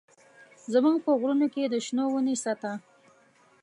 زموږ په غرونو کښې د شنو ونې سته.